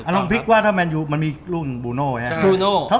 ลองพลิกว่าแมนยูมันมีลูกบูโน่